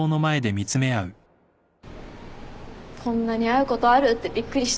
こんなに会うことある？ってびっくりした。